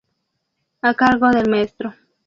A cargo del Mtro.